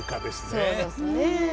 そうどすね。